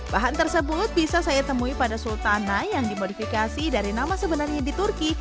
bahan tersebut bisa saya temui pada sultana yang dimodifikasi dari nama sebenarnya di turki